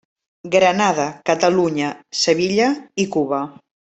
Granada, Catalunya, Sevilla i Cuba.